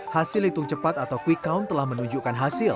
hasil hitung cepat atau quick count telah menunjukkan hasil